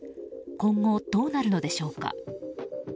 今後、どうなるのでしょうか。